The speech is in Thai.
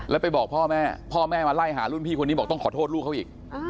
แล้วไปบอกพ่อแม่พ่อแม่มาไล่หารุ่นพี่คนนี้บอกต้องขอโทษลูกเขาอีก